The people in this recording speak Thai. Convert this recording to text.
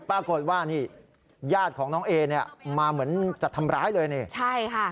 ปรากฏว่านี่ญาติของน้องเอเนี่ยมาเหมือนจะทำร้ายเลยนี่ใช่ค่ะ